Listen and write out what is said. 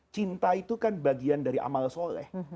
cinta itu kan bagian dari amal soleh